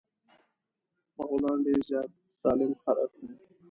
مغولان ډير زيات ظالم خلک وه.